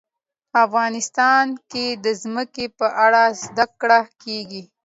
افغانستان کې د ځمکه په اړه زده کړه کېږي.